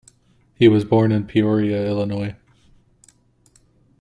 He was born in Peoria, Illinois.